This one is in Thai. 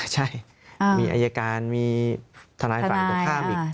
ใช่มีอายการมีทนายฝ่ายตรงข้ามอีก